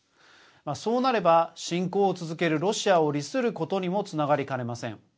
そうなれば侵攻を続けるロシアを利することにもつながりかねません。